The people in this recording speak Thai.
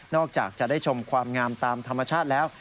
จากจะได้ชมความงามตามธรรมชาติแล้ว